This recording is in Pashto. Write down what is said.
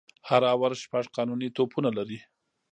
هر آور شپږ قانوني توپونه لري.